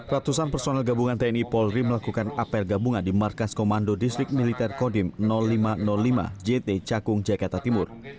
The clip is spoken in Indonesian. ratusan personel gabungan tni polri melakukan apel gabungan di markas komando distrik militer kodim lima ratus lima jt cakung jakarta timur